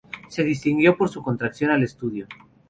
Se distinguió por su contracción al estudio.